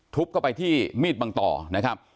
เข้าไปที่มีดบางต่อนะครับ